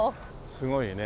すごいね。